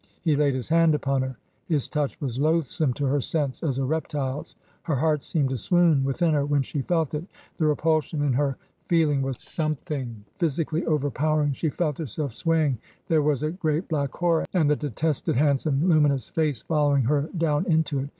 He laid his hand upon her. His touch was loathsome to her sense as a reptile's; her heart seemed to swoon within her when she felt it ; the repulsion in her feeling was something physically overpowering ; she felt herself swaying ; there was a great black horror, and the detested handsome, luminous face following her down into it.